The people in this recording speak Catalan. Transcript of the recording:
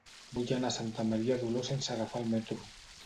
Vull anar a Santa Maria d'Oló sense agafar el metro.